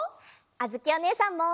あづきおねえさんも！